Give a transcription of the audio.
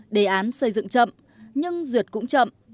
đề án xây dựng chậm nhưng duyệt cũng chậm